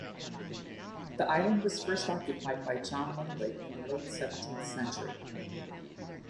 The island was first occupied by John Langlee in the late seventeenth century.